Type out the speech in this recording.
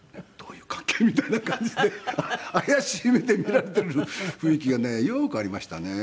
みたいな感じで怪しい目で見られている雰囲気がねよくありましたね。